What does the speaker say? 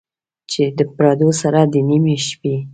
چې د پردو سره، د نیمې شپې،